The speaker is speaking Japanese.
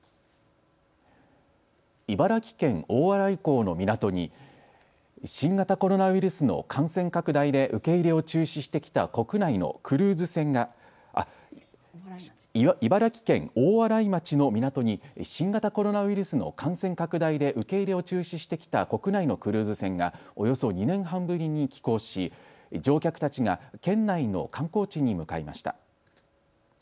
茨城県大洗港の港に新型コロナウイルスの感染拡大で受け入れを中止してきた国内のクルーズ船が茨城県大洗町の港に新型コロナウイルスの感染拡大で受け入れを中止してきた国内のクルーズ船がおよそ２年半ぶりに寄港し乗客たちが県内の観光地に向かいました。